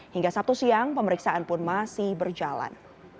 hingga sabtu siang pemeriksaan pun masih berjalan